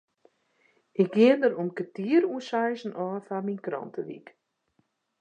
Ik gean der om kertier oer seizen ôf foar myn krantewyk.